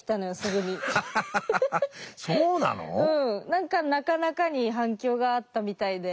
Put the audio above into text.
何かなかなかに反響があったみたいで。